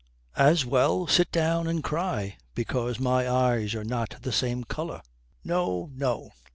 As well sit down and cry because my eyes are not the same colour." "No. No.